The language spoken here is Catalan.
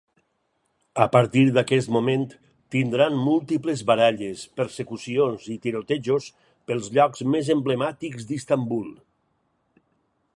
A partir d'aquest moment tindran múltiples baralles, persecucions i tirotejos pels llocs més emblemàtics d'Istanbul.